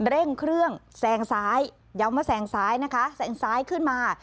เร่งเครื่องแซงซ้ายย้ำว่าแซงซ้ายนะคะแซงซ้ายขึ้นมา